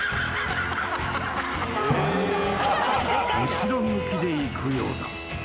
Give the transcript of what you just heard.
［後ろ向きでいくようだ］